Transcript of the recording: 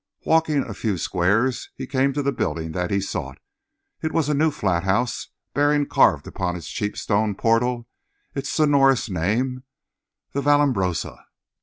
Walking a few squares, he came to the building that he sought. It was a new flathouse, bearing carved upon its cheap stone portal its sonorous name, "The Vallambrosa."